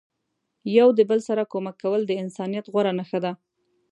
یو د بل سره کومک کول د انسانیت غوره نخښه ده.